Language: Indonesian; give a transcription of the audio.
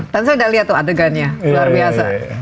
dan saya sudah lihat adegannya luar biasa